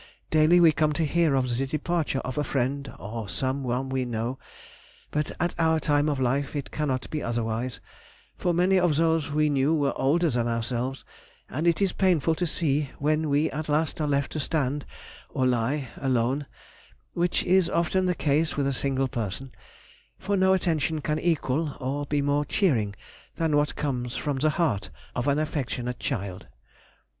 Daily we come to hear of the departure of a friend or some one we know, but at our time of life it cannot be otherwise, for many of those we knew were older than ourselves, and it is painful to see when we at last are left to stand (or lie) alone, which is often the case with a single person; for no attention can equal or be more cheering than what comes from the heart of an affectionate child.